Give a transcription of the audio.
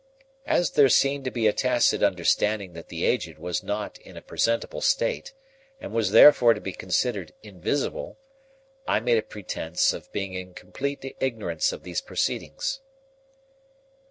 As there seemed to be a tacit understanding that the Aged was not in a presentable state, and was therefore to be considered invisible, I made a pretence of being in complete ignorance of these proceedings.